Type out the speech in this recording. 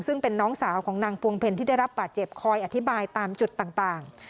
ซึ่งเป็นน้องสาวของนางพวงเพลที่ได้รับบาดเจ็บคอยอธิบายตามจุดต่าง